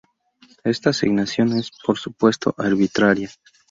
Esta asignación es, por supuesto, arbitraria.